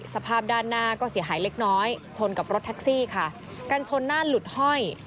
สภาพด้านหน้าก็เสียหายเล็กน้อยชนกับรถแท็กซี่ค่ะกันชนหน้าหลุดห้อย